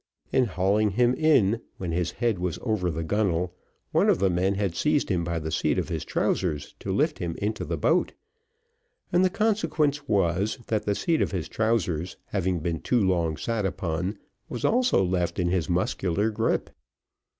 In hauling him in, when his head was over the gunnel, one of the men had seized him by the seat of his trousers to lift him into the boat, and the consequence was, that the seat of his trousers having been too long set upon, was also left in his muscular gripe.